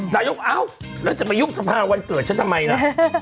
นายกเอ้าแล้วจะมายุบสภาวันเกิดฉันทำไมล่ะ